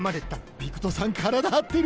ピクトさんからだはってる